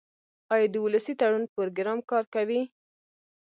آیا د ولسي تړون پروګرام کار کوي؟